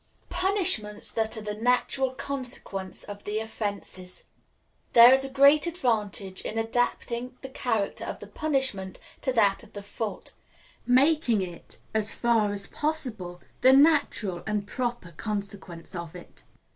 Punishments that are the Natural Consequence of the Offense. There is great advantage in adapting the character of the punishment to that of the fault making it, as far as possible, the natural and proper consequence of it.